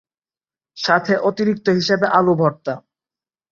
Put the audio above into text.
সাথে অতিরিক্ত হিসেবে আলুভর্তা।